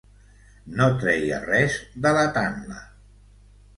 No treia res delatant-la.